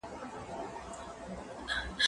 زه سپينکۍ مينځلي دي،